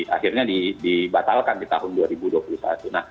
akhirnya dibatalkan di tahun dua ribu dua puluh satu